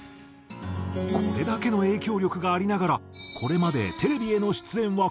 これだけの影響力がありながらこれまでテレビへの出演は数えるほど。